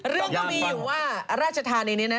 เรื่องก็มีอยู่ว่าราชธานีเนี่ยนะ